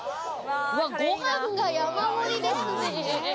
ご飯が山盛りですね。